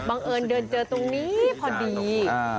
เอิญเดินเจอตรงนี้พอดี